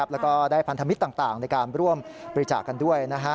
แล้วก็ได้พันธมิตรต่างในการร่วมบริจาคกันด้วย